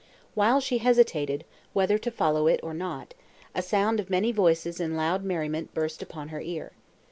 While she hesitated, whether to follow it or not, a sound of many voices in loud merriment burst upon her ear.